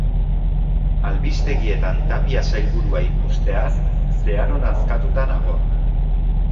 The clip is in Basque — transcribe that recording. Albistegietan Tapia sailburua ikusteaz zeharo nazkatuta nago.